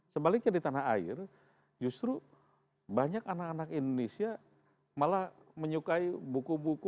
sebaliknya di tanah air justru banyak anak anak indonesia malah menyukai buku buku